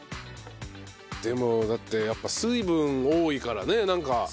でもだってやっぱ水分多いからねなんか。